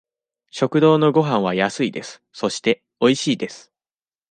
食堂のごはんは安いです。そして、おいしいです。